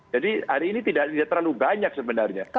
jadi hari ini tidak terlalu banyak sebenarnya